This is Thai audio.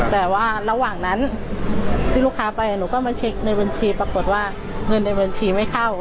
แต่ว่าระหว่างนั้นที่ลูกค้าไปหนูก็มาเช็คในบัญชีปรากฏว่าเงินในบัญชีไม่เข้า